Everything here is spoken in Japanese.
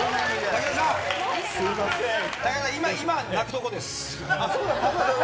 武田さん、今、泣くとこです。